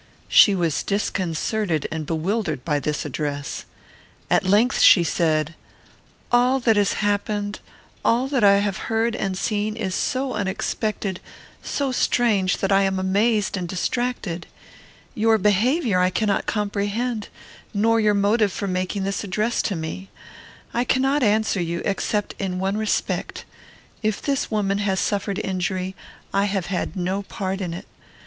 She was disconcerted and bewildered by this address. At length she said, "All that has happened, all that I have heard and seen, is so unexpected, so strange, that I am amazed and distracted. Your behaviour I cannot comprehend, nor your motive for making this address to me. I cannot answer you, except in one respect. If this woman has suffered injury, I have had no part in it.